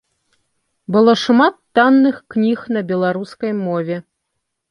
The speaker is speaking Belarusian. Было шмат танных кніг на беларускай мове.